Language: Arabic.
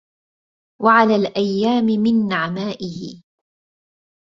وعلى الأيام من نعمائه